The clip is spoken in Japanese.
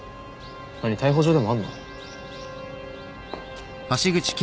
何逮捕状でもあんの？